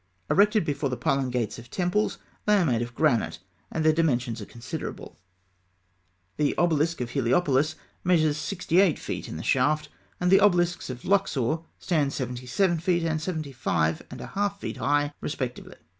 Erected before the pylon gates of temples, they are made of granite, and their dimensions are considerable. The obelisk of Heliopolis (fig. 108) measures sixty eight feet in the shaft, and the obelisks of Luxor stand seventy seven and seventy five and a half feet high, respectively.